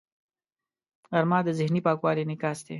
غرمه د ذهني پاکوالي انعکاس دی